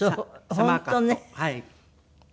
本当ね。